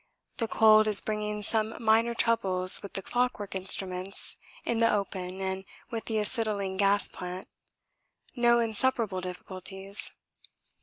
The cold is bringing some minor troubles with the clockwork instruments in the open and with the acetylene gas plant no insuperable difficulties.